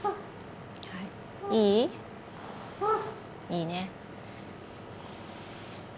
いいね。